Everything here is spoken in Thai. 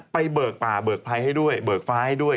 เบิกป่าเบิกภัยให้ด้วยเบิกฟ้าให้ด้วย